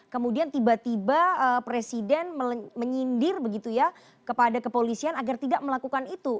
kemudian tiba tiba presiden menyindir begitu ya kepada kepolisian agar tidak melakukan itu